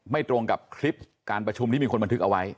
ตรงกับคลิปการประชุมที่มีคนบันทึกเอาไว้